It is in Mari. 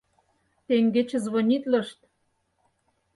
Теҥгече звонитлышт.